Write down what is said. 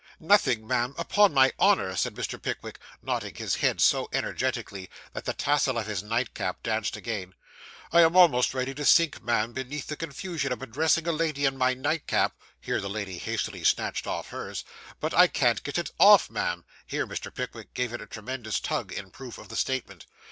'Nothing, ma'am, upon my honour,' said Mr. Pickwick, nodding his head so energetically, that the tassel of his nightcap danced again. 'I am almost ready to sink, ma'am, beneath the confusion of addressing a lady in my nightcap (here the lady hastily snatched off hers), but I can't get it off, ma'am (here Mr. Pickwick gave it a tremendous tug, in proof of the statement).